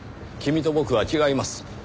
君と僕は違います。